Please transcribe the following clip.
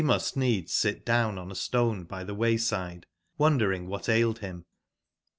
109 must needs sit down on astoneby tbewayside, won dering what ailed bim j?